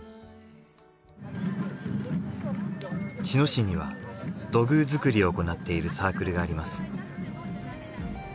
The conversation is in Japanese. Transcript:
茅野市には土偶作りを行っているサークルがあります。